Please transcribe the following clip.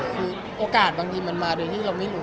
คือโอกาสบางทีมันมาโดยที่เราไม่รู้